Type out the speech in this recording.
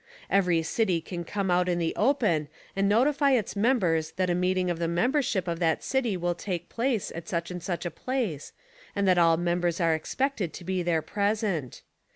Every city can come out in the open and notify its members that a meeting of the member ship of that city will take place at, such and such a place, and that all members are expected to be there present.